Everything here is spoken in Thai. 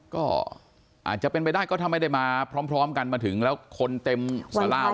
ก็อาจจะเป็นไปได้ก็ถ้าไม่ได้มาพร้อมกันมาถึงแล้วคนเต็มหัวลาว